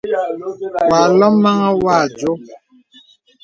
Wà àlôm màŋhàŋ wà ādio.